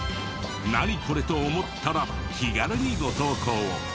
「ナニコレ？」と思ったら気軽にご投稿を。